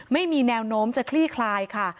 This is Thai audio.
ไม่มีแนวโน้มจะคลี่คลายค่ะ